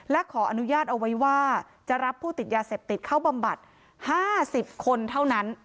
และขออนุญาตเอาไว้ว่าจะรับผู้ติดยาเสพติดเข้าบำบัด๕๐คนเท่านั้น